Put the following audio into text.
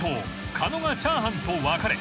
狩野がチャーハンと分かれ］